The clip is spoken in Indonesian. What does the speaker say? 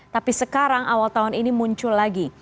tapi sekarang awal tahun ini muncul lagi